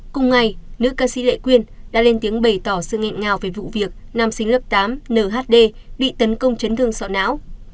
cùng ngày nữ ca sĩ lệ quyên đã lên tiếng bày tỏ sự nghẹn ngào về vụ việc nam sinh lớp tám nhd bị tấn công chấn thương sọ não